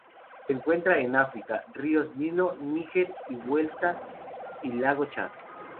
Se encuentran en África: ríos Nilo, Níger y Vuelta, y lago Chad.